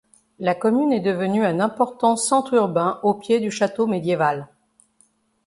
La commune est devenue un important centre urbain au pied du château médiéval.